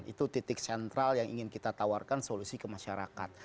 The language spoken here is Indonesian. itu titik sentral yang ingin kita tawarkan solusi ke masyarakat